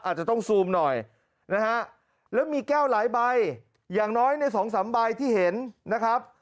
อาจจะต้องซูมหน่อยนะฮะแล้วมีแก้วหลายใบอย่างน้อยในสองสามใบที่เห็นนะครับ